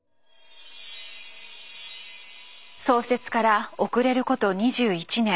創設から遅れること２１年